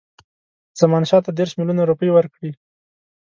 زمانشاه ته دېرش میلیونه روپۍ ورکړي.